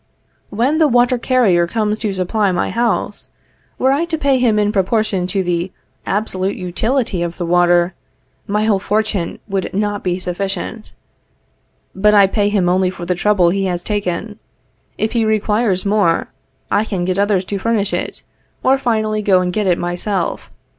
When the water carrier comes to supply my house, were I to pay him in proportion to the absolute utility of the water, my whole fortune would not be sufficient. But I pay him only for the trouble he has taken. If he requires more, I can get others to furnish it, or finally go and get it myself.